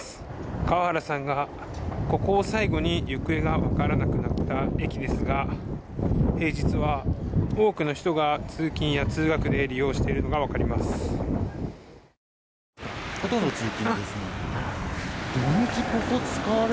川原さんがここを最後に行方が分からなくなった駅ですが、実は多くの人が平日は通勤・通学で利用しているのが分かります。